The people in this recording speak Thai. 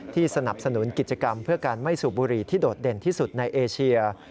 สนับสนุนกิจกรรมเพื่อการไม่สูบบุหรี่ที่โดดเด่นที่สุดในเอเชีย